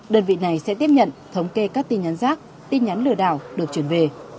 đơn vị này sẽ tiếp nhận thống kê các tin nhắn rác tin nhắn lừa đảo được chuyển về